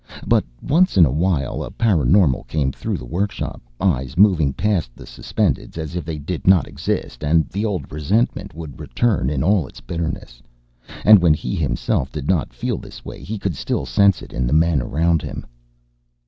But once in a while a paraNormal came through the workshop, eyes moving past the Suspendeds as if they did not exist and the old resentment would return in all its bitterness. And when he himself did not feel this way he could still sense it in men around him.